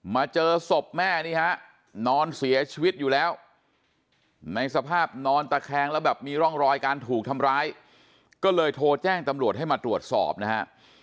มาเจอศพแม่นี่ฮะนอนเสียชีวิตอยู่แล้วในสภาพนอนตะแคงแล้วแบบมีร่องรอยการถูกทำร้ายก็เลยโทรแจ้งตำรวจให้มาตรวจสอบนะฮะ